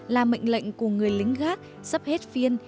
là mệnh lệnh của người lính gác sắp hết phiên